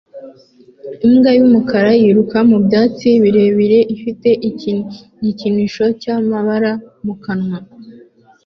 Imbwa y'umukara yiruka mu byatsi birebire ifite igikinisho cy'amabara mu kanwa